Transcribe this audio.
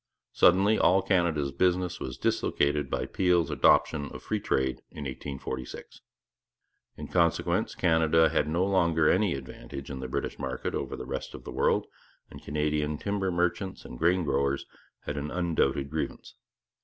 Suddenly all Canada's business was dislocated by Peel's adoption of free trade in 1846. In consequence Canada had no longer any advantage in the British market over the rest of the world, and Canadian timber merchants and grain growers had an undoubted grievance.